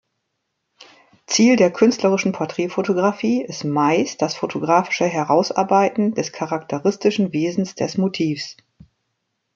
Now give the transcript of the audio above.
Ziel der "künstlerischen Porträtfotografie" ist meist das fotografische Herausarbeiten des charakteristischen Wesens des Motivs.